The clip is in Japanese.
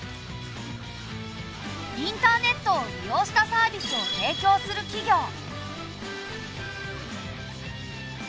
インターネットを利用したサービスを提供する企業。